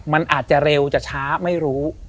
มันอาจจะเร็วจะช้าไม่รู้